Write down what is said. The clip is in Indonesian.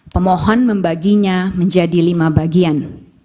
pemohon membaginya menjadi lima bagian